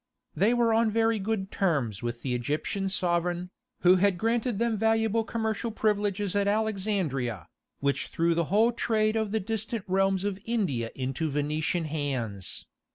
They were on very good terms with the Egyptian sovereign, who had granted them valuable commercial privileges at Alexandria, which threw the whole trade with the distant realms of India into Venetian hands.